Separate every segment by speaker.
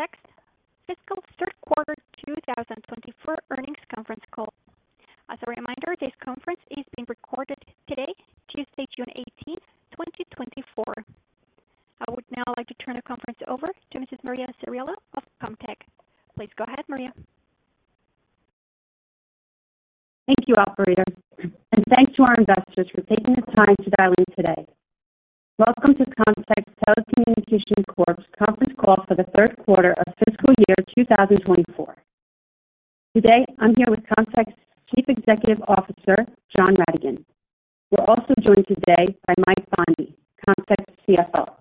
Speaker 1: Welcome to Comtech fiscal third quarter 2024 earnings conference call. As a reminder, this conference is being recorded today, Tuesday, June 18th, 2024. I would now like to turn the conference over to Mrs. Maria Ceriello of Comtech. Please go ahead, Maria.
Speaker 2: Thank you, operator, and thanks to our investors for taking the time to dial in today. Welcome to Comtech Telecommunications Corp's conference call for the third quarter of fiscal year 2024. Today I'm here with Comtech's Chief Executive Officer John Ratigan. We're also joined today by Mike Bondi, Comtech CFO.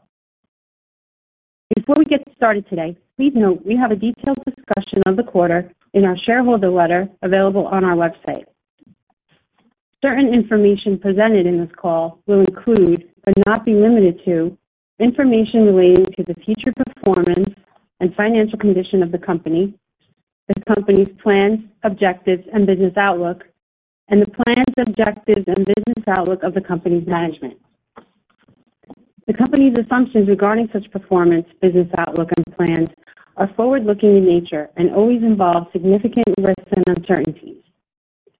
Speaker 2: Before we get started today, please note we have a detailed discussion of the quarter in our shareholder letter available on our website. Certain information presented in this call will include, but not be limited to, information relating to the future performance and financial condition of the company, the company's plans, objectives and business outlook and the plans, objectives and business outlook of the company's management. The company's assumptions regarding such performance, business outlook and plans are forward looking in nature and always involve significant risks and uncertainties.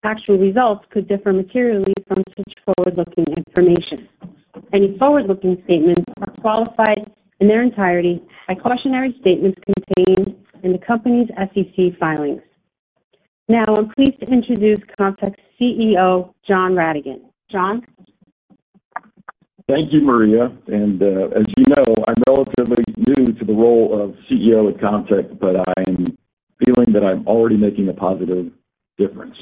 Speaker 2: Actual results could differ materially from such forward looking information. Any forward looking statements are qualified in their entirety by cautionary statements contained in the company's SEC filings. Now, I'm pleased to introduce Comtech CEO John Ratigan. John.
Speaker 3: Thank you, Maria. As you know, I'm relatively new to the role of CEO at Comtech, but I am feeling that I'm already making a positive difference.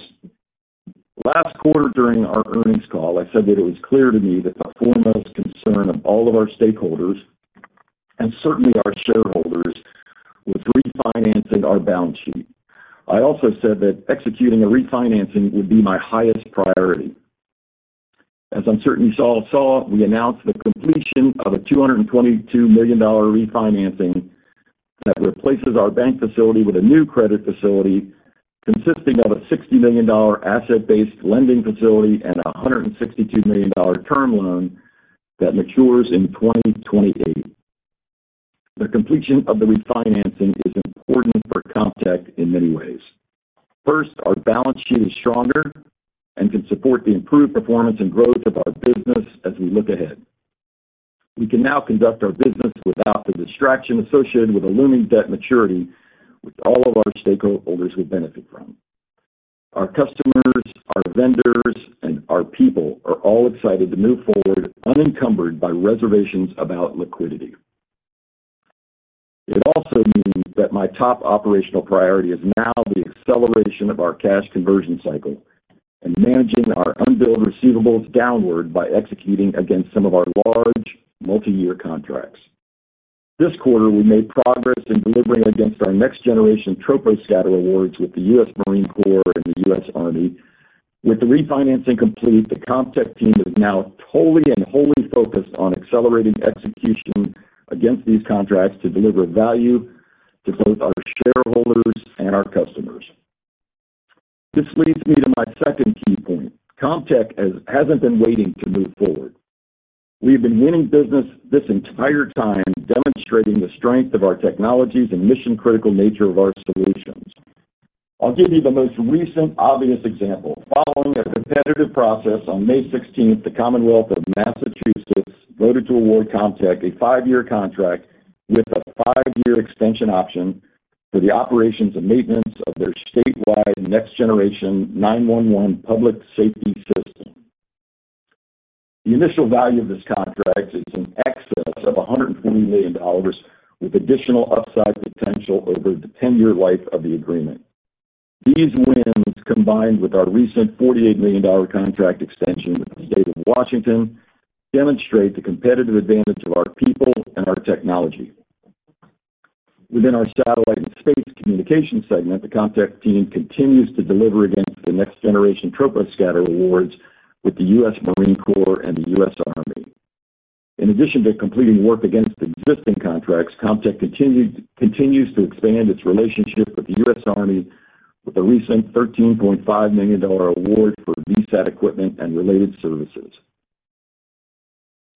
Speaker 3: Last quarter during our earnings call, I said that it was clear to me that the foremost concern of all of our stakeholders, and certainly our shareholders, was refinancing our balance sheet. I also said that executing a refinancing would be my highest priority. As I'm certain you all saw, we announced the completion of a $222 million refinancing that replaces our bank facility with a new credit facility consisting of a $60 million asset-based lending facility and $162 million term loan that matures in 2028. The completion of the refinancing is important for Comtech in many ways. First, our balance sheet is stronger and can support the improved performance and growth of our business. As we look ahead, we can now conduct our business without the distraction associated with a looming debt maturity, which all of our stakeholders will benefit from. Our customers, our vendors and our people are all excited to move forward unencumbered by reservations about liquidity. It also means that my top operational priority is now the acceleration of our cash conversion cycle and managing our unbilled receivables downward by executing against some of our large multiyear contracts. This quarter we made progress in delivering against our next-generation troposcatter awards with the U.S. Marine Corps and the U.S. Army. With the refinancing complete, the Comtech team is now totally and wholly focused on accelerating execution against these contracts to deliver value to both our shareholders and our customers. This leads me to my second key point. Comtech hasn't been waiting to move forward. We've been winning business this entire time demonstrating the strength of our technologies and mission-critical nature of our solutions. I'll give you the most recent obvious example. Following a repetitive process, on May 16th the Commonwealth of Massachusetts voted to award Comtech a five-year contract with a five-year extension option for the operations and maintenance of their statewide Next Generation 911 public safety system. The initial value of this contract is in excess of $140 million with additional upside potential over the 10-year life of the agreement. These wins combined with our recent $48 million contract extension with the State of Washington demonstrate the competitive advantage of our people and our technology. Within our satellite and space communications segment, the Comtech team continues to deliver against the next-generation Troposcatter awards with the U.S. Marine Corps and the U.S. Army. In addition to completing work against existing contracts, Comtech continues to expand its relationship with the U.S. Army with the recent $13.5 million award for VSAT equipment and related services.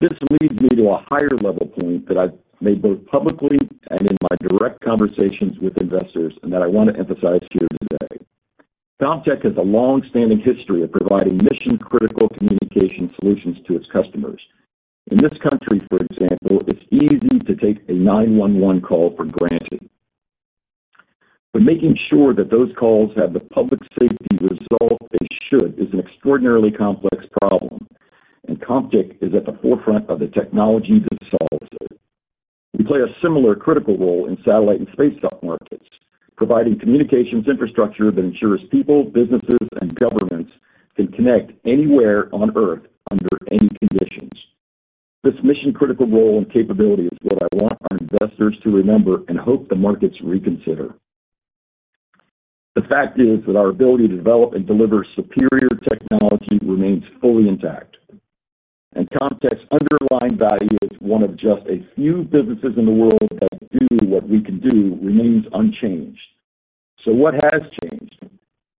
Speaker 3: This leads me to a higher level point that I made both publicly and in my direct conversations with investors and that I want to emphasize here today. Comtech has a long-standing history of providing mission-critical communication solutions to its customers in this country. For example, it's easy to take a 911 call for granted, but making sure that those calls have the public safety result they should is an extraordinarily complex problem and Comtech is at the forefront of the technology that solves it. We play a similar critical role in satellite and space communications markets, providing communications infrastructure that ensures people, businesses and governments can connect anywhere on earth under any conditions. This mission critical role and capability is what I want our investors to remember and hope the markets reconsider. The fact is that our ability to develop and deliver superior technology remains fully intact. Comtech's underlying value as one of just a few businesses in the world that do what we can do remains unchanged. So what has changed?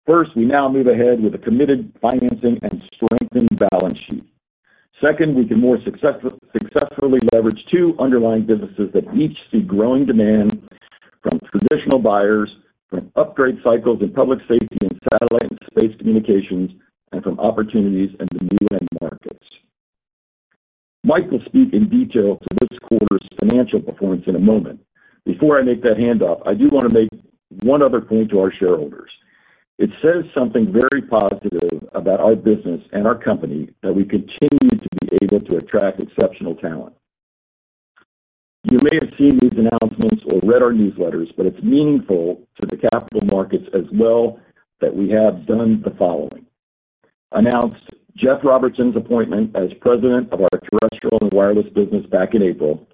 Speaker 3: First, we now move ahead with a committed financing and strengthened balance sheet. Second, we can more successfully leverage two underlying businesses that each see growing demand from traditional buyers from upgrade cycles in public safety and satellite and space communications, and from opportunities in the new end markets. Mike will speak in detail to this quarter's financial performance in a moment. Before I make that handoff, I do want to make one other point to our shareholders. It says something very positive about our business and our company that we continue to be able to attract exceptional talent. You may have seen these announcements or read our newsletters, but it's meaningful to the capital markets. As well as that, we have done the following: announced Jeff Robertson's appointment as President of our terrestrial and wireless business back in April,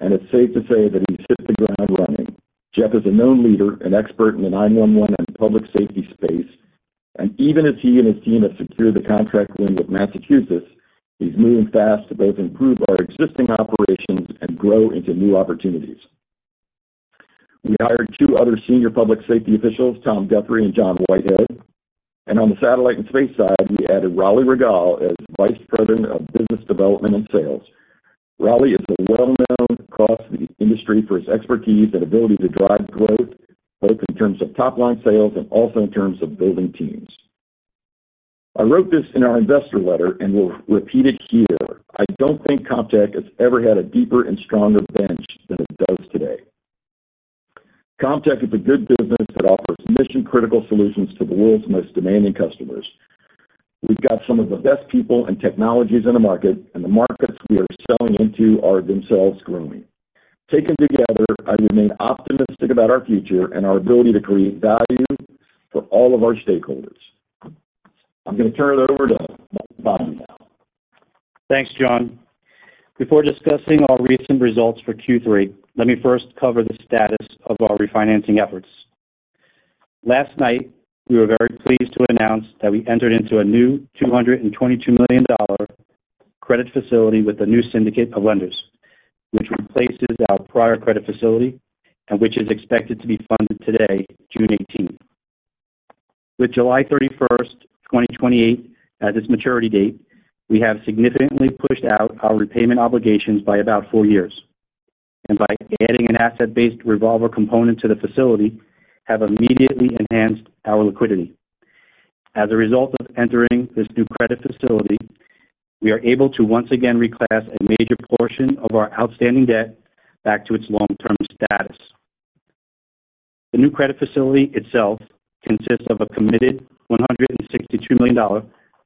Speaker 3: and it's safe to say that he's hit the ground running. Jeff is a known leader and expert in the 911 and public safety space and even as he and his team have secured the contract win with Massachusetts, he's moving fast to both improve our existing operations and grow into new opportunities. We hired two other senior public safety officials, Tom Guthrie and John Whitehead, and on the satellite and space side we added Rolly Rigal as Vice President of Business Development and Sales. Rolly is well known across the industry for his expertise and ability to drive growth both in terms of top line sales and also in terms of building teams. I wrote this in our investor letter and will repeat it here. I don't think Comtech has ever had a deeper and stronger bench than it does today. Comtech is a good business that offers mission critical solutions to the world's most demanding customers. We've got some of the best people and technologies in the market and the markets we are selling into are themselves growing. Taken together, I remain optimistic about our future and our ability to create value for all of our stakeholders. I'm going to turn it over to Bondi now.
Speaker 4: Thanks, John. Before discussing our recent results for Q3, let me first cover the status of our refinancing efforts. Last night, we were very pleased to announce that we entered into a new $222 million credit facility with a new syndicate of lenders, which replaces our prior credit facility and which is expected to be funded today, June 18th, with July 31st, 2028. At this maturity date, we have significantly pushed out our repayment obligations by about four years, and by adding an asset-based revolver component to the facility have immediately enhanced our liquidity. As a result of entering this new credit facility, we are able to once again reclass a major portion of our outstanding debt back to its long-term status. The new credit facility itself consists of a committed $162 million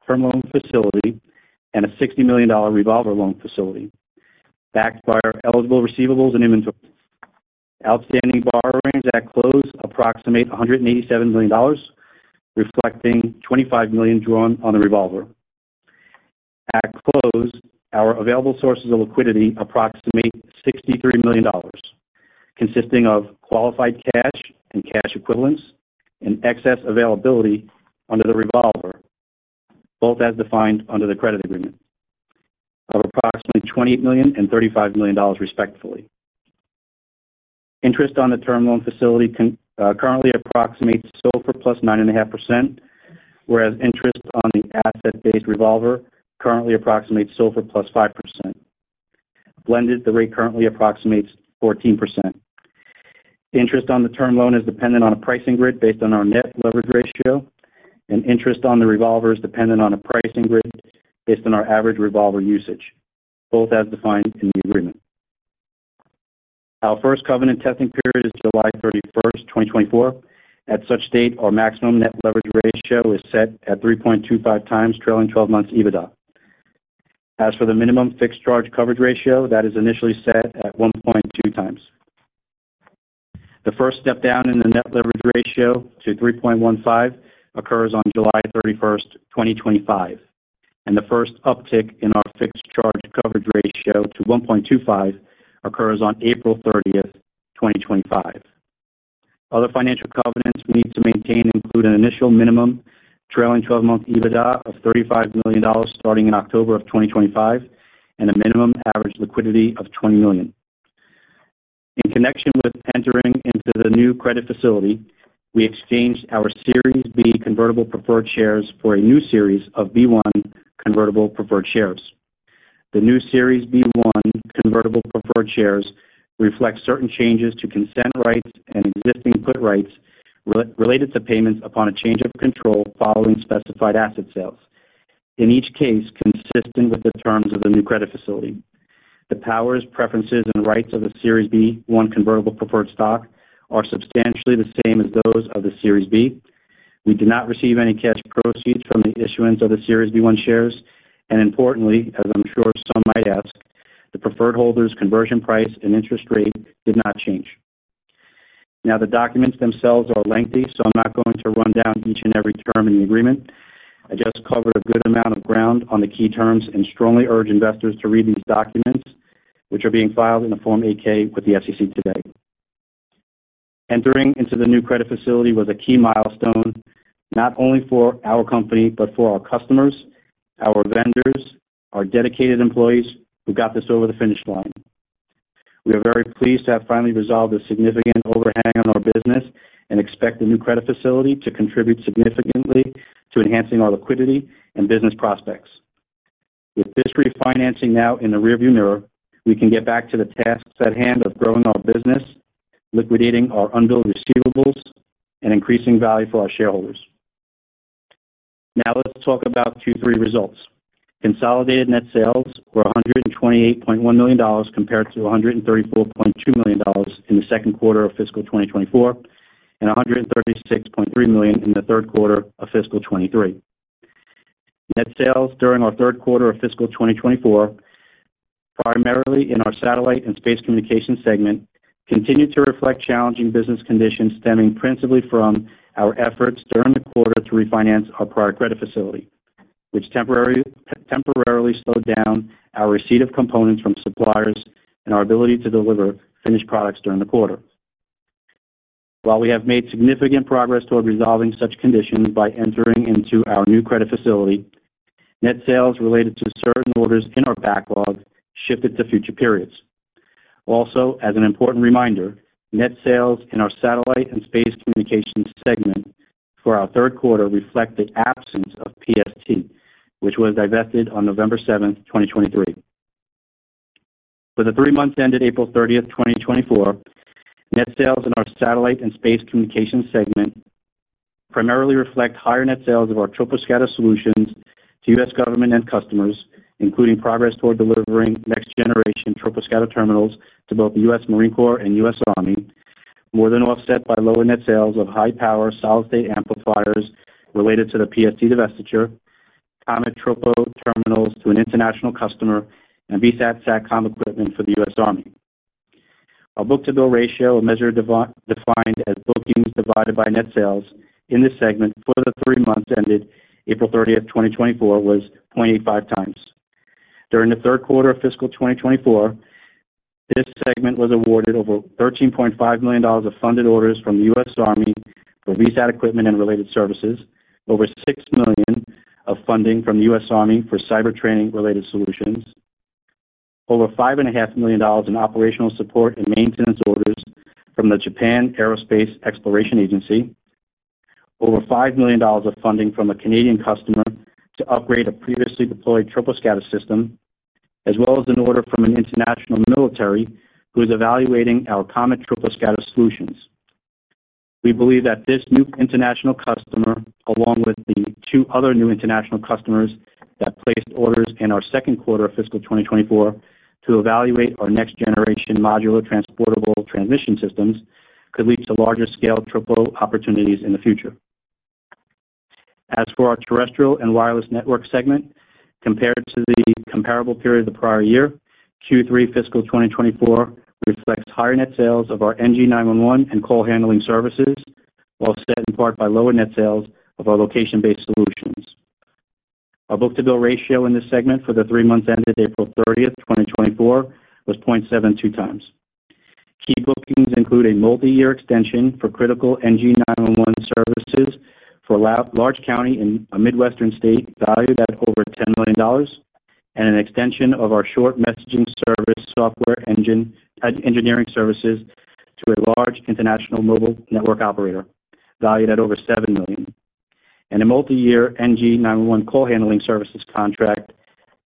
Speaker 4: term loan facility and a $60 million revolver loan facility backed by our eligible receivables and inventory. Outstanding borrowings at close approximate $187 million reflecting $25 million drawn on the revolver at close. Our available sources of liquidity approximate $63 million consisting of qualified cash and cash equivalents and excess availability under the revolver, both as defined under the credit agreement of approximately $28 million and $35 million respectfully. Interest on the term loan facility currently approximates SOFR +9.5%, whereas interest on the asset-based revolver currently approximates SOFR +5% blended the rate currently approximates 14%. Interest on the term loan is dependent on a pricing grid based on our net leverage ratio and interest on the revolver is dependent on a pricing grid based on our average revolver usage, both as defined in the agreement. Our first covenant testing period is July 31st, 2024. At such date our maximum net leverage ratio is set at 3.25x trailing 12-month EBITDA. As for the minimum fixed charge coverage ratio that is initially set at 1.2x, the first step down in the net leverage ratio to 3.15 occurs on July 31, 2025 and the first uptick in our fixed charge coverage ratio to 1.25 occurs on April 30th, 2025. Other financial covenants we need to maintain include an initial minimum trailing 12-month EBITDA of $35 million starting in October of 2025 and a minimum average liquidity of $20 million. In connection with entering into the new credit facility, we exchanged our Series B convertible preferred shares for a new series of B-1 convertible preferred shares. The new Series B-1 convertible preferred shares reflect certain changes to consent rights and existing good rights related to payments upon a change of control following specified asset sales. In each case, consistent with the terms of the new credit facility, the powers, preferences, and rights of the Series B-1 convertible preferred stock are substantially the same as those of the Series B. We did not receive any cash proceeds from the issuance of the Series B-1 shares and, importantly, as I'm sure some might ask, the preferred holders' conversion price and interest rate did not change. Now, the documents themselves are lengthy, so I'm not going to run down each and every term in the agreement. I just covered a good amount of ground on the key terms and strongly urge investors to read these documents, which are being filed in the Form 8-K. With the SEC today. Entering into the new credit facility was a key milestone not only for our company, but for our customers, our vendors, our dedicated employees who got this over the finish line. We are very pleased to have finally resolved a significant overhang on our business and expect the new credit facility to contribute significantly to enhancing our liquidity and business prospects. With this refinancing now in the rearview mirror, we can get back to the tasks at hand of growing our business, liquidating our unbilled receivables, and increasing value for our shareholders. Now let's talk about Q3 results. Consolidated net sales were $128.1 million compared to $134.2 million in the second quarter of fiscal 2024 and $136.3 million in the third quarter of fiscal 2023. Net sales during our third quarter of fiscal 2024, primarily in our satellite and space communications segment, continued to reflect challenging business conditions stemming principally from our efforts during the quarter to refinance our prior credit facility, which temporarily slowed down our receipt of components from suppliers and our ability to deliver finished products during the quarter. While we have made significant progress toward resolving such conditions by entering into our new credit facility, net sales related to certain orders in our backlog shifted to future periods. Also, as an important reminder, net sales in our satellite and space communications segment for our third quarter reflect the absence of PST which was divested on November 7th, 2023 for the three months ended April 30th, 2024. Net sales in our satellite and space communications segment primarily reflect higher net sales of our troposcatter solutions to U.S. Government and customers, including progress toward delivering next generation troposcatter terminals to both the U.S. Marine Corps and U.S. Army, more than offset by lower net sales of high power solid state amplifiers related to the PST divestiture, COMET tropo terminals to an international customer and VSAT SATCOM equipment for the U.S. Army. Our book-to-bill ratio, a measure defined as bookings divided by net sales and in this segment for the three months ended April 30, 2024 was 0.85x. During the third quarter of fiscal 2024, this segment was awarded over $13.5 million of funded orders from the U.S. Army for VSAT equipment and related services, over $6 million of funding from the U.S. Army for cyber training related solutions, over $5.5 million in operational support and maintenance orders from the Japan Aerospace Exploration Agency, over $5 million of funding from a Canadian customer to upgrade a previously deployed troposcatter system, as well as an order from an international military who is evaluating our COMET troposcatter solutions. We believe that this new international customer along with the two other new international customers that placed orders in our second quarter of fiscal 2024 to evaluate our next generation Modular Transportable Transmission Systems could lead to larger scale tropo opportunities in the future. As for our terrestrial and wireless network segment compared to the comparable period of the prior year Q3, fiscal 2024 reflects higher net sales of our NG911 and call handling services offset in part by lower net sales of our location-based solutions. Our book-to-bill ratio in this segment for the three months ended April 30th, 2024 was 0.72x. Key bookings include a multi-year extension for critical NG911 services for large county in a midwestern state valued at over $10 million and an extension of our short messaging service software engine engineering services to a large international mobile network operator valued at over $7 million and a multi-year NG911 call handling services contract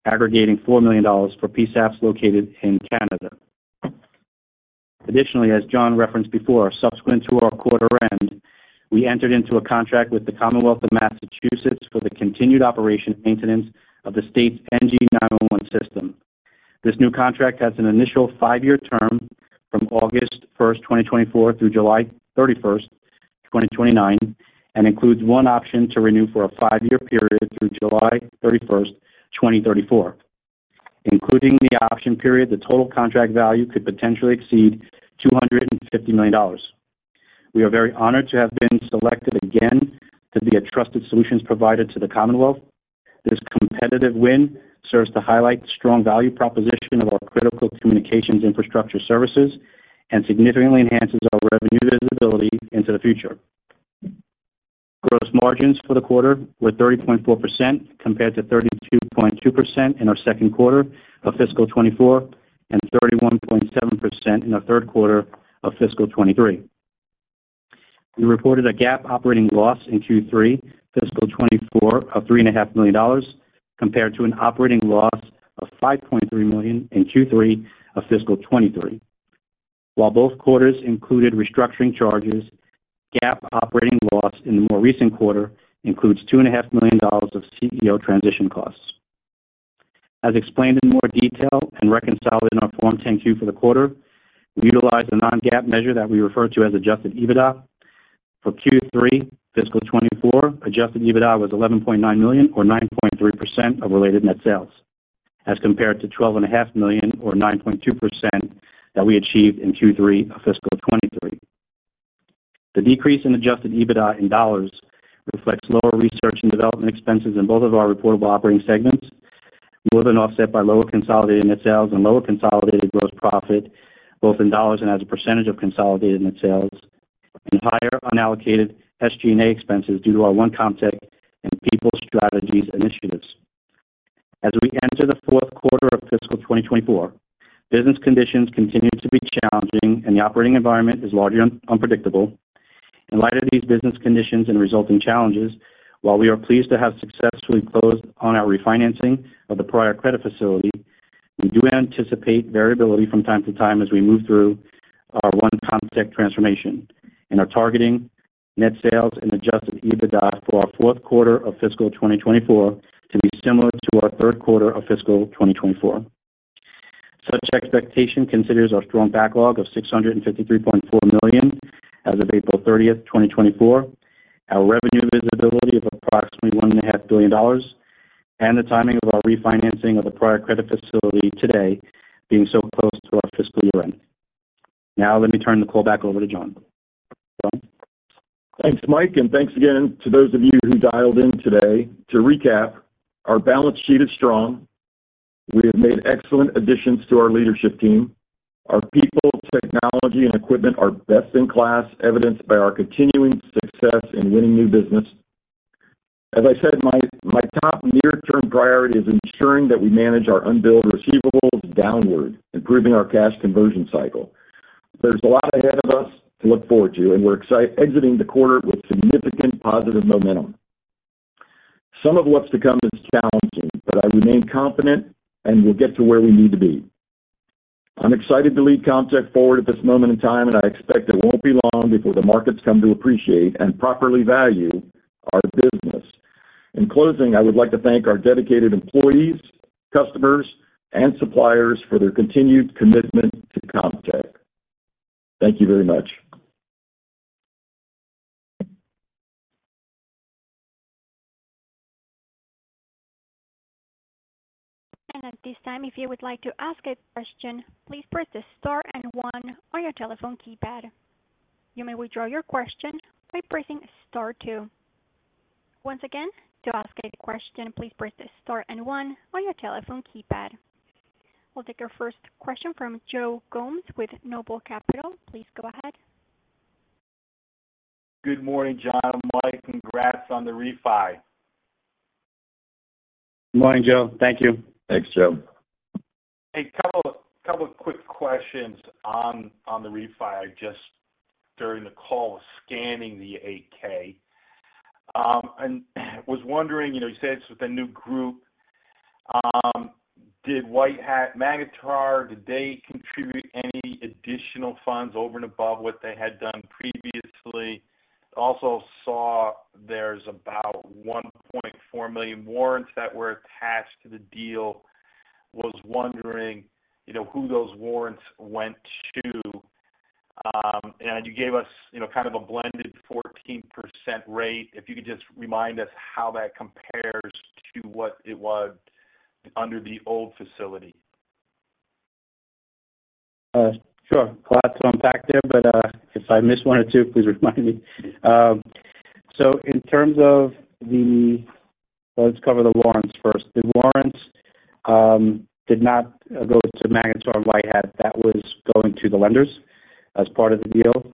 Speaker 4: aggregating $4 million for PSAPs located in Canada. Additionally, as John referenced before, subsequent to our quarter end, we entered into a contract with the Commonwealth of Massachusetts for the continued operations and maintenance of the state's NG911 system. This new contract has an initial five-year term from August 1st, 2024 through July 31st, 2029 and includes one option to renew for a five-year period through July 31st, 2034. Including the option period, the total contract value could potentially exceed $250 million. We are very honored to have been selected again to be a trusted solutions provider to the Commonwealth. This competitive win serves to highlight strong value proposition of our critical communications infrastructure services and significantly enhances our revenue visibility into the future. Gross margins for the quarter were 30.4% compared to 32.2% in our second quarter of fiscal 2024 and 31.7% in the third quarter of fiscal 2023. We reported a GAAP operating loss in Q3 fiscal 2024 of $3.5 million compared to an operating loss of $5.3 million in Q3 of fiscal 2023. While both quarters included restructuring charges, GAAP operating loss in the more recent quarter includes $2.5 million of CEO transition costs. As explained in more detail and reconciled in our Form 10-Q. For the quarter we utilized a non-GAAP measure that we refer to as adjusted EBITDA for Q3 fiscal 2024. Adjusted EBITDA was $11.9 million or 9.3% of related net sales as compared to $12.5 million or 9.2% that we achieved in Q3 of fiscal 2023. The decrease in adjusted EBITDA in dollars reflects lower research and development expenses in both of our reportable operating segments, more than offset by lower consolidated net sales and lower consolidated gross profit, both in dollars and as a percentage of consolidated net sales and higher unallocated SG&A expenses due to our One ComTech and People Strategies initiatives. As we enter the fourth quarter of fiscal 2024, business conditions continue to be challenging and the operating environment is largely unpredictable. In light of these business conditions and resulting challenges, while we are pleased to have successfully closed on our refinancing of the prior credit facility, we do anticipate variability from time to time as we move through our One ComTech transformation and are targeting net sales and adjusted EBITDA for our fourth quarter of fiscal 2024 to be similar to our third quarter of fiscal 2024. Such expectation considers our strong backlog of $653.4 million as of April 30th, 2024, our revenue visibility of approximately $1.5 billion, and the timing of our refinancing of the prior credit facility today being so close to our fiscal year end. Now let me turn the call back over to John.
Speaker 3: Thanks Mike, and thanks again to those of you who dialed in today. To recap, our balance sheet is strong. We have made excellent additions to our leadership team. Our people, technology and equipment are best in class, evidenced by our continuing success in winning new business. As I said, my top near term priority is ensuring that we manage our unbilled receivables downward improving our cash conversion cycle. There's a lot ahead of us to look forward to and we're exiting the quarter with significant positive momentum. Some of what's to come is challenging, but I remain confident and we'll get to where we need to be. I'm excited to lead Comtech forward at this moment in time and I expect it won't be long before the markets come to appreciate and properly value our business. In closing, I would like to thank our dedicated employees, customers and suppliers for their continued commitment to Comtech. Thank you very much.
Speaker 1: At this time, if you would like to ask a question, please press the star and one on your telephone keypad. You may withdraw your question by pressing star two. Once again, to ask a question, please press the star one on your telephone keypad. We'll take our first question from Joe Gomes with Noble Capital. Please go ahead.
Speaker 5: Good morning, John and Mike. Congrats on the refi.
Speaker 4: Good morning Joe. Thank you.
Speaker 3: Thanks Joe.
Speaker 5: Couple of quick questions on the refi. I just during the call scanning the 8K. I was wondering, you said it's with a new group. Did White Hat, Magnetar, did they contribute any additional funds over and above what they had done previously? Also saw there's about 1.4 million warrants that were attached to the deal. Was wondering who those warrants went to. And you gave us kind of a blended 14% rate. If you could just remind us how that compares to what it was under the old facility.
Speaker 4: Sure, a lot to unpack there, but if I miss one or two, please remind me. So in terms of. Let's cover the warrants first. The warrants did not go to Magnetar and White Hat. That was going to the lenders as part of the deal.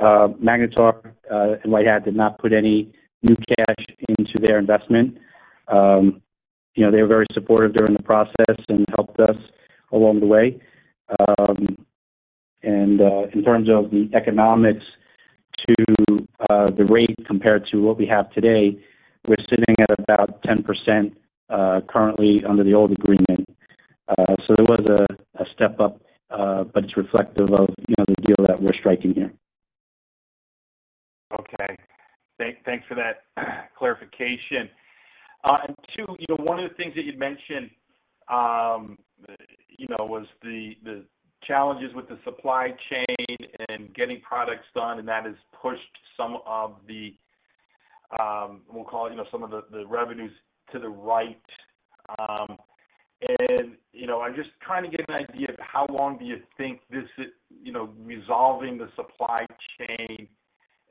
Speaker 4: Magnetar and White Hat did not put any new cash into their investment. You know, they were very supportive during the process and helped us along the way. And in terms of the economics to the rate compared to what we have today, we're sitting at about 10% currently under the old agreement. So there was a step up, but it's reflective of the deal that we're striking here.
Speaker 5: Okay, thanks for that clarification. And two, one of the things that you'd mentioned was the challenges with the supply chain and getting products done, and that has pushed some of the, we'll call it some of the revenues to the right. And I'm just trying to get an idea of how long do you think this resolving the supply chain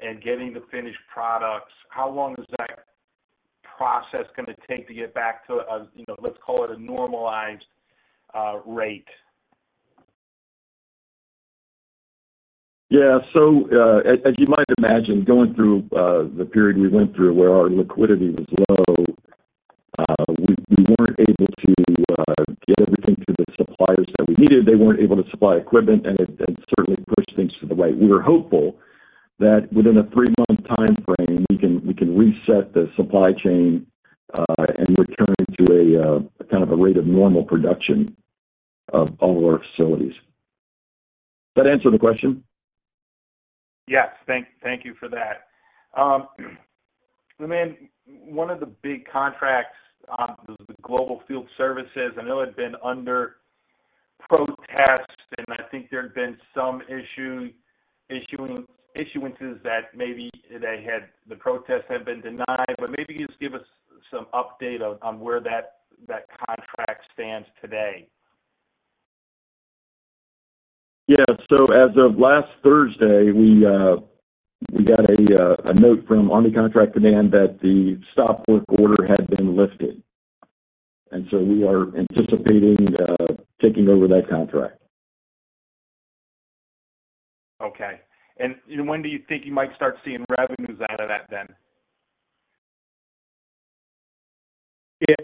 Speaker 5: and getting the finished products, how long is that process going to take to get back to? Let's call it a normalized rate.
Speaker 3: Yes. So as you might imagine going through the period we went through where our liquidity was low, we weren't able to get everything to the suppliers that we needed. They weren't able to supply equipment. And it certainly pushed things to the right. We were hopeful that within a 3-month time frame we can, we can reset the supply chain and return to a kind of a rate of normal production. All of our facilities. That answer the question?
Speaker 5: Yes, thank you for that. One of the big contracts was the Global Field Services. I know it had been under protest and I think there had been some issue issuing issuances that maybe they had. The protests have been denied, but maybe you just give us some update on where that contract stands today.
Speaker 3: Yeah, so as of last Thursday, we got a note from Army Contract Command that the stop-work order had been lifted. And so we are anticipating taking over that contract.
Speaker 5: Okay, and when do you think you might start seeing revenues out of that then?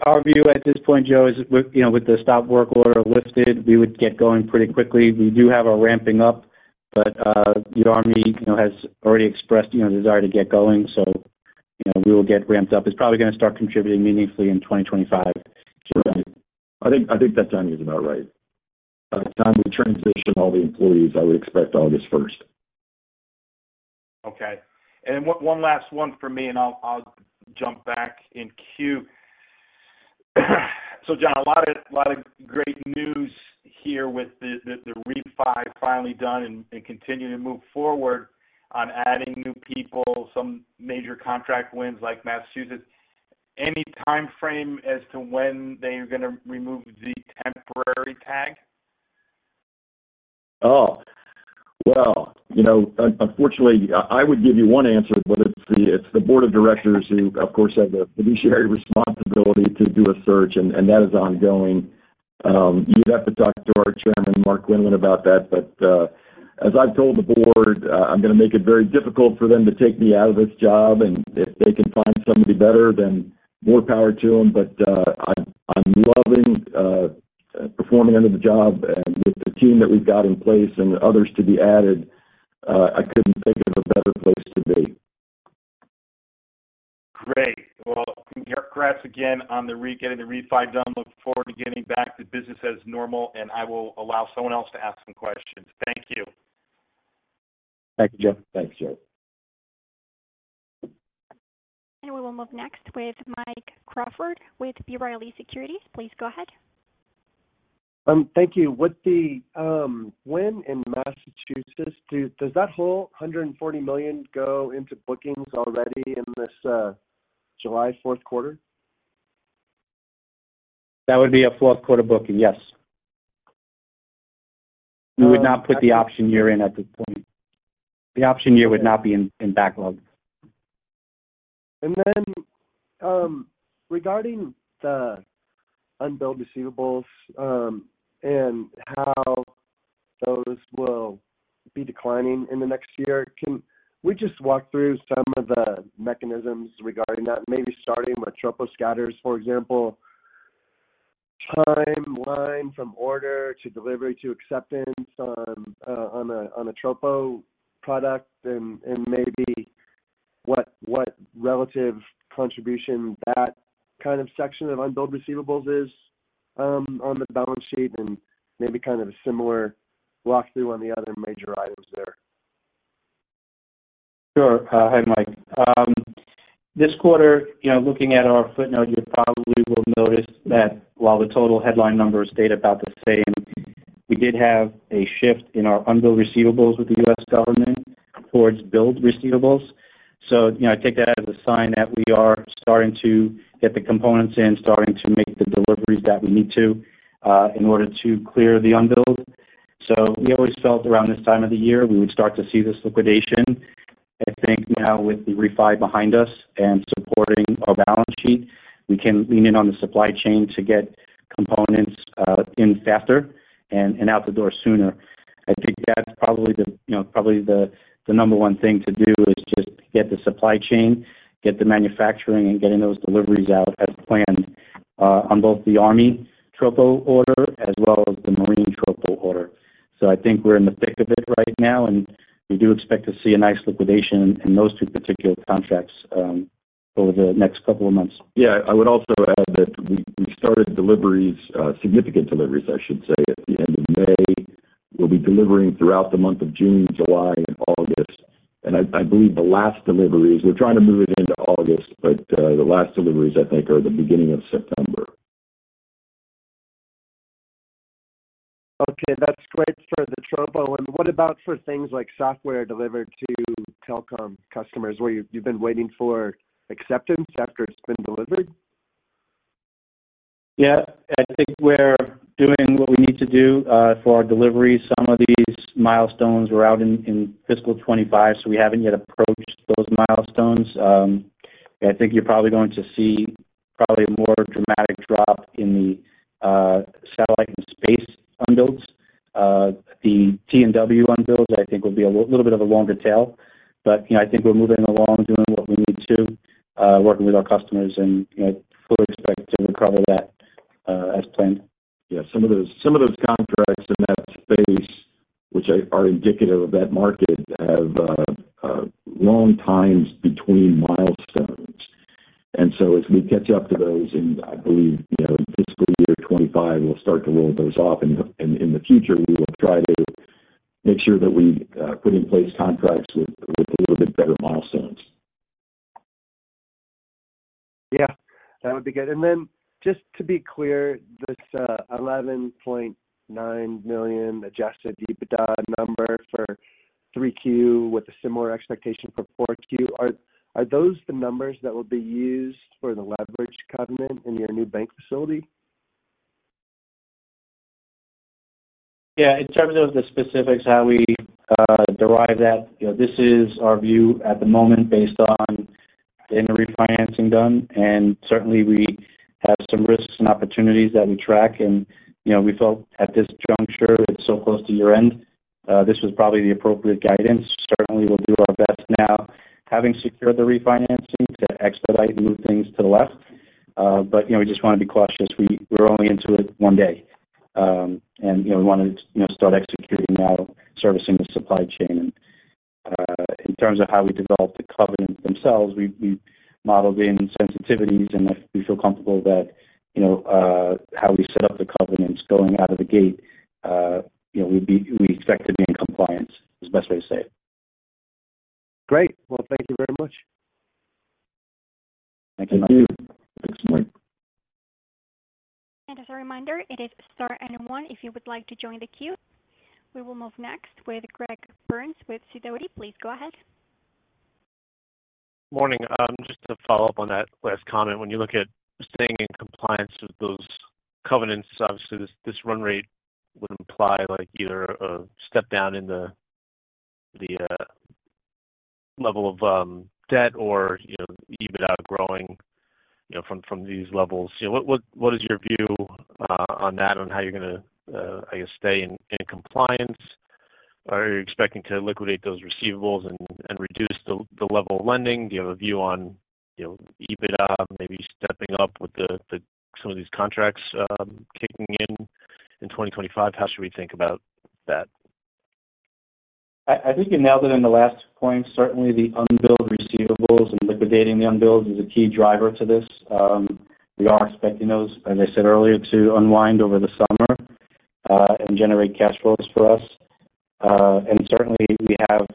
Speaker 4: Our view at this point, Joe, is you know, with the stop work order lifted, we would get going pretty quickly. We do have our ramping up, but the army has already expressed, you know, desire to get going. So, you know, we will get ramped up. It's probably going to start contributing meaningfully in 2025.
Speaker 3: I think. I think that timing is about right. By the time we transition all the employees, I would expect August 1st.
Speaker 5: Okay. One last one for me and I'll jump back in queue. John, a lot of great news here. With the refi finally done and continuing to move forward on adding new people, some major contract wins like Massachusetts. Any time frame as to when they're going to remove the temporary tag?
Speaker 3: Oh, well, you know, unfortunately I would give you one answer, but it's the board of directors who of course have the fiduciary responsibility to do a search and that is ongoing. You'd have to talk to our chairman, Mark Quinlan about that. But as I've told the board, I'm going to make it very difficult for them to take me out of this job and if they can find somebody better then more power to them. But I, I'm loving performing under the job with the team that we've got in place and others to be added, I couldn't think of a better place to be.
Speaker 5: Great. Well, congrats again on getting the refi done. Look forward to getting back to business as normal, and I will allow someone else to ask some questions. Thank you.
Speaker 4: Thank you, Joe.
Speaker 3: Thanks, Joe.
Speaker 1: We will move next with Mike Crawford with B. Riley Securities. Please go ahead.
Speaker 6: Thank you. With the win in Massachusetts, does that whole $140 million go into bookings already in this July 4th quarter?
Speaker 4: That would be a fourth quarter booking. Yes. We would not put the option year in at this point. The option year would not be in backlog.
Speaker 6: And then regarding the unbilled receivables and how those will be declining in the next year, can we just walk through some of the mechanisms regarding that? Maybe starting with troposcatter, for example, timeline from order to delivery to acceptance on a tropo product and maybe what relative contribution that kind of section of unbilled receivables is on the balance sheet and maybe kind of a similar walkthrough on the other major items there?
Speaker 4: Sure. Hi Mike. This quarter, you know, looking at our footnote, you probably will notice that while the total headline numbers stayed about the same, we did have a shift in our unbilled receivables with the U.S. Government towards billed receivables. So I take that as a sign that we are starting to get the components in, starting to make the deliveries that we need to in order to clear the unbilled. So we always felt around this time of the year we would start to see this liquidation. I think now with the refi behind us and supporting our balance sheet, we can lean in on the supply chain to get components in faster and out the door sooner. I think that's probably, you know, the number one thing to do is just get the supply chain, get the manufacturing and getting those deliveries out as planned on both the army tropo order as well as the Marine tropo order. I think we're in the thick of it right now, and we do expect to see a nice liquidation in those two particular contracts over the next couple of months.
Speaker 3: Yeah, I would also add that we started deliveries, significant deliveries, I should say, at the end of May. We'll be delivering throughout the month of June, July and August. I believe the last deliveries, we're trying to move it into August, but the last deliveries, I think, are the beginning of September.
Speaker 6: Okay, that's great for the tropo. What about for things like software delivered to telecom customers where you've been waiting for acceptance after it's been delivered?
Speaker 4: Yeah, I think we're doing what we need to do for our delivery. Some of these milestones were out in fiscal 2025, so we haven't yet approached those milestones. I think you're probably going to see probably a more dramatic drop in the satellite and space unbilleds. The T and W unbilleds, I think will be a little bit of a longer tail, but I think we're moving along, doing what we need to, working with our customers and fully expect to recover that as planned.
Speaker 3: Yeah, some of those contracts in that space, which are indicative of that market, have long times between milestones. And so as we catch up to those, and I believe fiscal year 2025, we'll start to roll those off. And in the future, we will try to make sure that we put in place contracts with a little bit better milestones.
Speaker 6: Yeah, that would be good. And then just to be clear, this $11.9 million adjusted EBITDA number for 3Q with a similar expectation for 4Q, are those the numbers that will be used for the leverage covenant in your new bank facility?
Speaker 4: Yeah. In terms of the specifics, how we derive that this is our view at the moment based on the refinancing done. Certainly we have some risks and opportunities that we track. And you know, we felt at this juncture, it's so close to year end, this was probably the appropriate guidance. Certainly we'll do our best now having secured the refinancing to expedite new things to the left. But we just want to be cautious. We're only into it one day and we want to start executing now servicing the supply chain. In terms of how we developed the covenants themselves, we modeled in sensitivities and if we feel comfortable that how we set up the covenants going out of the gate, we expect to be in compliance is the best way to say it.
Speaker 6: Great. Well, thank you very much.
Speaker 4: Thank you.
Speaker 1: As a reminder, it is star one if you would like to join the queue. We will move next with Greg Burns with Sidoti. Please go ahead.
Speaker 7: Morning. Just to follow up on that last comment, when you look at staying in compliance with those covenants, obviously this run rate would imply like either a step down in the level of debt or EBITDA growing from these levels. What is your view on that, on how you're going to stay in compliance? Are you expecting to liquidate those receivables and reduce the level of lending? Do you have a view on EBITDA maybe stepping up with some of these contracts kicking in in 2025? How should we think about?
Speaker 4: I think you nailed it in the last point. Certainly the unbilled receivables and liquidating the unbilled is a key driver to this. We are expecting those, as I said earlier, to unwind over the summer and generate cash flows for us. And certainly we have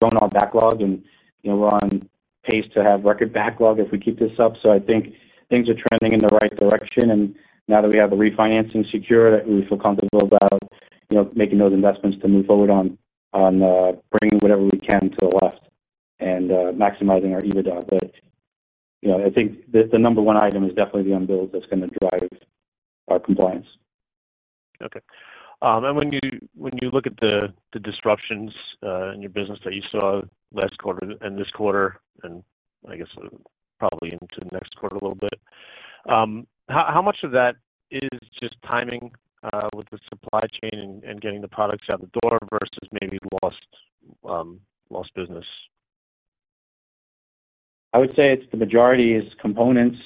Speaker 4: grown our backlog and we're on pace to have record backlog if we keep this up. So I think things are trending in the right direction. And now that we have the refinancing secured, we feel comfortable about making those investments to move forward on bringing whatever we can to the left and maximizing our EBITDA. But I think the number one item is definitely the unbilled that's going to drive our compliance.
Speaker 7: Okay. When you look at the disruptions in your business that you saw last quarter and this quarter and I guess probably into next quarter a little bit. How much of that is just timing with the supply chain and getting the products out the door versus maybe lost business?
Speaker 4: I would say it's the majority is components,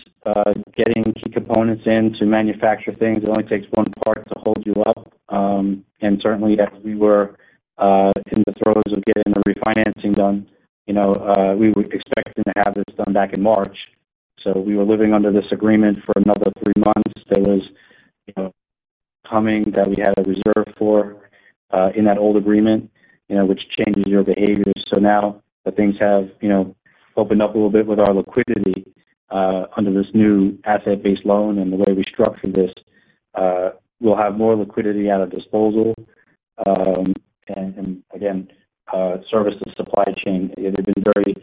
Speaker 4: getting key components in to manufacture things. It only takes one part to hold you up. And certainly as we were in the throes of getting the refinancing done, you know, we were expecting to have this done back in March, so we were living under this agreement for another three months that was coming that we had a reserve for in that old agreement, you know, which changes your behavior. So now that things have, you know, opened up a little bit with our liquidity under this new asset-based loan and the way we structure this, we'll have more liquidity at our disposal and again, service the supply chain. They've been very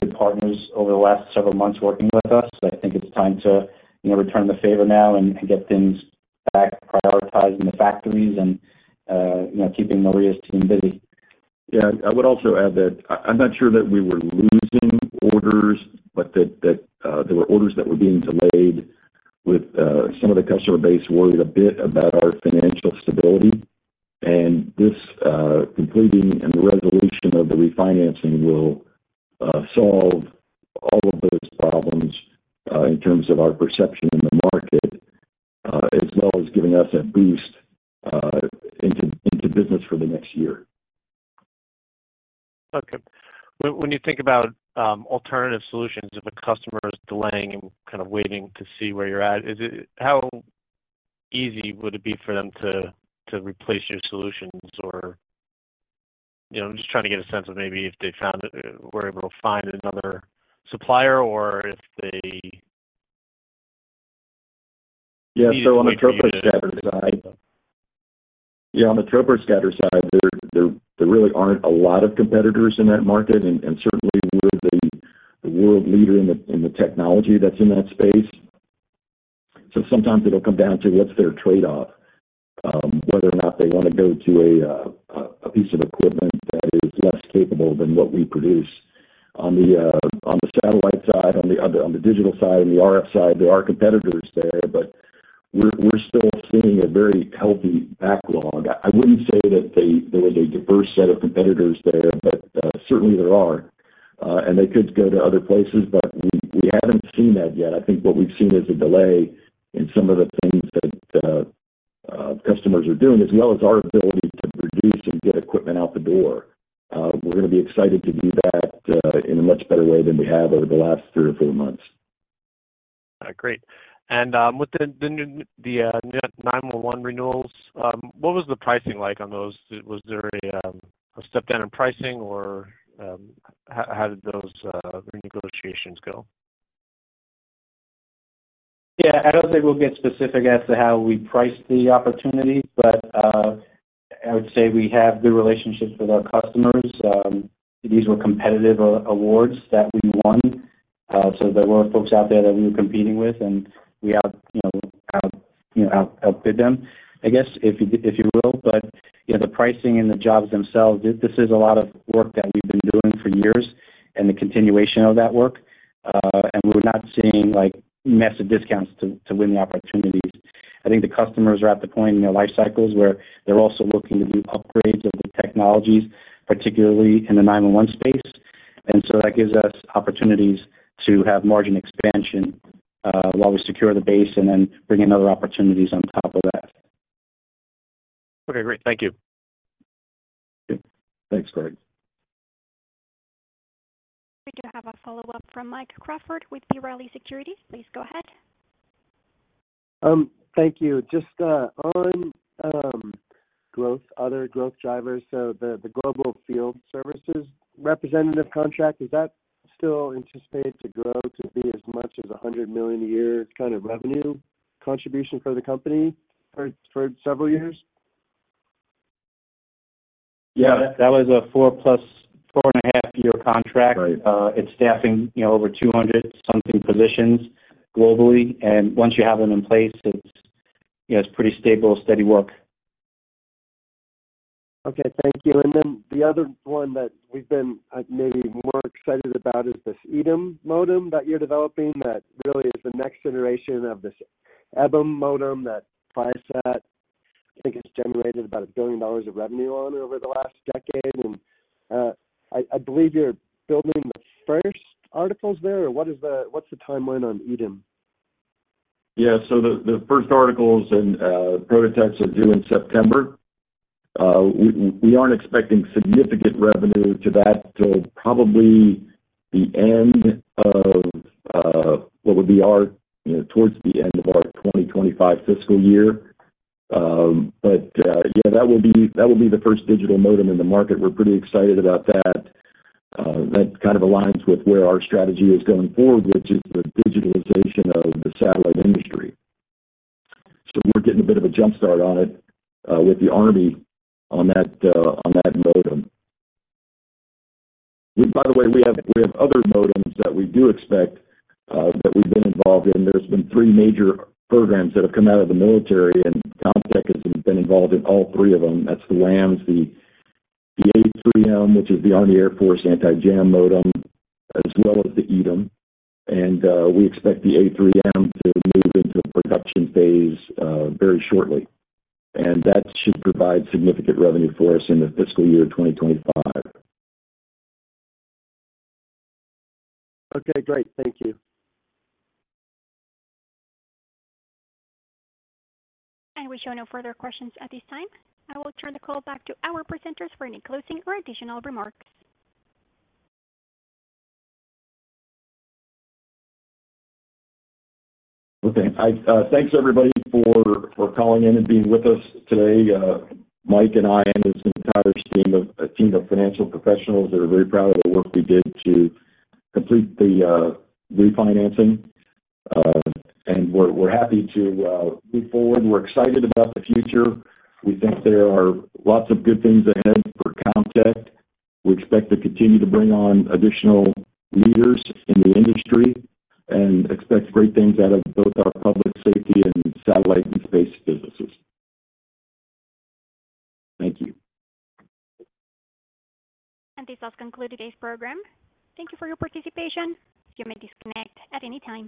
Speaker 4: good partners over the last several months working with us. I think it's time to return the favor now and get things back prioritized in the factories and keeping Maria's team busy.
Speaker 3: Yeah. I would also add that I'm not sure that we were losing orders, but there were orders that were being delayed. With some of the customer base worried a bit about our financial stability. And this completing and the resolution of the refinancing will solve all of those problems in terms of our perception in the market as well as giving us a boost into business for the next year.
Speaker 7: Okay. When you think about alternative solutions, if a customer is delaying and kind of waiting to see where you're at, is it? How easy would it be for them to replace your solutions? Or, you know, I'm just trying to get a sense of maybe if they found it, were able to find another supplier or if they.
Speaker 3: Yeah. On the troposcatter side, there really aren't a lot of competitors in that market and certainly we're the world leader in the technology that's in that space. So sometimes it'll come down to what's their trade off, whether or not they want to go to a piece of equipment that is less capable than what we produce. On the satellite side, on the digital side and the RF side, there are competitors there, but we're still seeing a very healthy backlog. I wouldn't say that there was a diverse set of competitors there, but certainly there are and they could go to other places, but we haven't seen that yet. I think what we've seen is a delay in some of the things that customers are doing, as well as our ability to produce and get equipment out the door. We're going to be excited to do that in a much better way than we have over the last three or four months.
Speaker 7: Great. With the 911 renewals, what was the pricing like on those? Was there a step down in pricing or how did those renegotiations go?
Speaker 4: Yeah, I don't think we'll get specific as to how we price the opportunities. But I would say we have good relationships with our customers. These were competitive awards that we won. So there were folks out there that we were competing with and we outbid them, I guess, if you will. But the pricing and the jobs themselves. This is a lot of work that we've been doing for years and the continuation of that work, and we're not seeing like massive discounts to win the opportunities. I think the customers are at the point in their life cycles where they're also looking to do upgrades of the technologies, particularly in the 911 space. And so that gives us opportunities to have margin expansion while we secure the base and then bring in other opportunities on top of that.
Speaker 7: Okay, great, thank you.
Speaker 3: Thanks Greg.
Speaker 1: We do have a follow up from Mike Crawford with B. Riley Securities. Please go ahead.
Speaker 6: Thank you. Just on growth, other growth drivers. So the Global Field Services representative contract, is that still anticipated to grow to be as much as $100 million a year kind of revenue contribution for the company for several years?
Speaker 4: Yeah, that was a 4+, 4.5-year contract. It's staffing, you know, over 200-something positions globally and once you have them in place, it's pretty stable, steady work.
Speaker 6: Okay, thank you. And then the other one that we've been maybe more excited about is this EDIM modem that you're developing that really is the next generation of this EBEM modem that Viasat, I think has generated about $1 billion of revenue on over the last decade. And I believe you're building the first articles there or what's the timeline on EDIM?
Speaker 3: Yeah, so the first articles and prototypes are due in September. We aren't expecting significant revenue to that till probably towards the end of our 2025 fiscal year. But yeah, that will be the first digital modem in the market. We're pretty excited about that. That kind of aligns with where our strategy is going forward, which is the digitalization of the satellite industry. So we're getting a bit of a jumpstart on it with the army on that modem. By the way, we have other modems that we do expect that we've been involved in. There's been three major programs that have come out of the military and Comtech has been involved in all three of them. That's the LAMS, the A3M which is the Army Air Force Anti-jam Modem as well as the EDIM. We expect the A3M to move into production phase very shortly and that should provide significant revenue for us in the fiscal year 2025.
Speaker 6: Okay, great. Thank you.
Speaker 1: We show no further questions at this time. I will turn the call back to our presenters for any closing or additional remarks.
Speaker 3: Okay. Thanks, everybody, for calling in and being with us today. Mike and I and his entire team of financial professionals that are very proud of the work we did to complete the refinancing. We're happy to move forward. We're excited about the future. We think there are lots of good things ahead for Comtech. We expect to continue to bring on additional leaders in the industry and expect great things out of both our public safety and satellite and space businesses. Thank you.
Speaker 1: This does conclude today's program. Thank you for your participation. You may disconnect at any time.